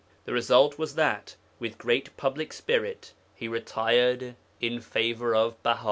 The result was that with great public spirit he retired in favour of Baha.